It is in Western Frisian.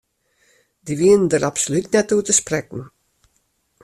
Dy wienen dêr absolút net oer te sprekken.